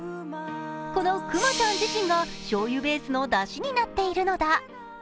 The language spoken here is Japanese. このくまちゃん自身がしょうゆベースのだしになっているのだ。